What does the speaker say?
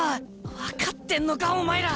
分かってんのかお前ら。